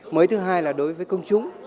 mới thứ hai là đối với công chúng